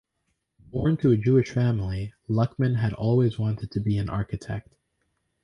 Born to a Jewish family, Luckman had always wanted to be an architect.